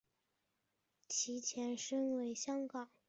其前身为香港警务处入境事务部。